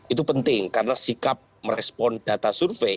itu penting karena sikap merespon data survei